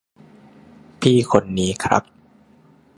พี่คนนี้ครับ